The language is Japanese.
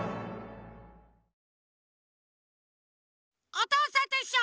「おとうさんといっしょ」